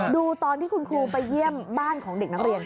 ดูตอนที่คุณครูไปเยี่ยมบ้านของเด็กนักเรียน